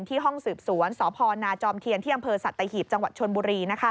ที่ห้องสืบสวนสนจอมเทียนที่อำเภอสัตว์ไตเฮียบจังหวัดชนบุรี